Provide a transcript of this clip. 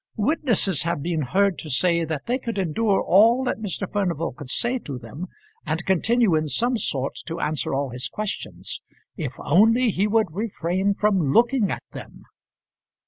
Witnesses have been heard to say that they could endure all that Mr. Furnival could say to them, and continue in some sort to answer all his questions, if only he would refrain from looking at them.